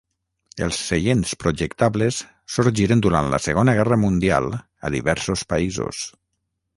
Els seients projectables sorgiren durant la Segona Guerra Mundial a diversos països.